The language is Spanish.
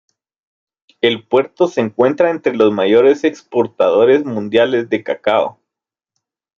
El puerto se encuentra entre los mayores exportadores mundiales de cacao.